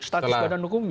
status badan hukumnya